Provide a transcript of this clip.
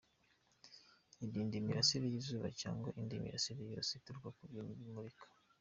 Irinde imirasire y’izuba cyangwa indi mirasire yose ituruka ku bintu bimurika.